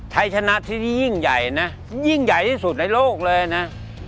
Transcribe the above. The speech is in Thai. ไทยชนะที่นี่ยิ่งใหญ่นะยิ่งใหญ่ที่สุดในโลกเลยนะ